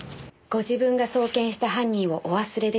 ご自分が送検した犯人をお忘れですか？